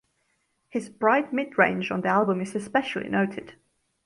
His "bright midrange" on the album is especially noted.